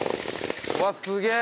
うわっすげえ！